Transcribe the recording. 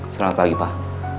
selamat pagi pak